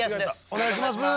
お願いします。